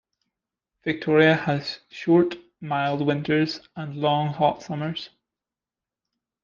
Victoria has short mild winters and long hot summers.